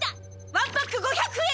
ワンパック５００円！